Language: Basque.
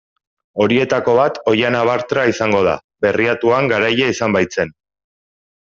Horietako bat Oihana Bartra izango da, Berriatuan garaile izan baitzen.